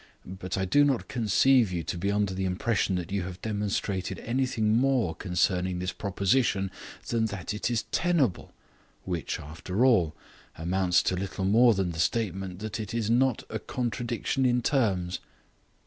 But I do not conceive you to be under the impression that you have demonstrated anything more concerning this proposition than that it is tenable, which, after all, amounts to little more than the statement that it is not a contradiction in terms."